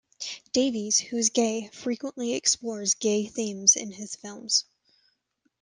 Davies, who is gay, frequently explores gay themes in his films.